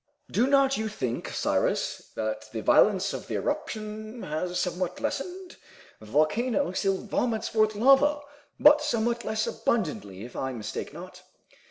"Do not you think, Cyrus, that the violence of the eruption has somewhat lessened? The volcano still vomits forth lava, but somewhat less abundantly, if I mistake not."